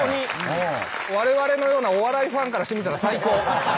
われわれのようなお笑いファンからしてみたら最高。